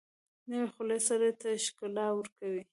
نوې خولۍ سر ته ښکلا ورکوي